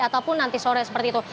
ataupun nanti sore seperti itu